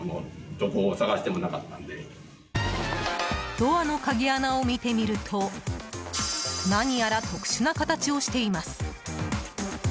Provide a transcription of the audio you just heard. ドアの鍵穴を見てみると何やら特殊な形をしています。